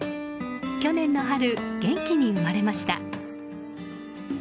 去年の春、元気に生まれました。